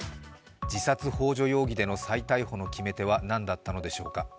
自殺ほう助容疑での再逮捕の決め手は何だったのでしょうか。